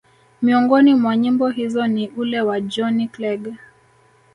miongoni mwa nyimbo hizo ni ule wa Johnny Clegg